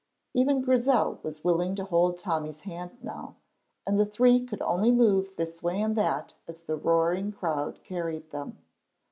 Even Grizel was willing to hold Tommy's hand now, and the three could only move this way and that as the roaring crowd carried them.